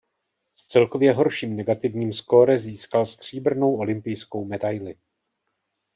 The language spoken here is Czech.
S celkově horším negativním skóre získal stříbrnou olympijskou medaili.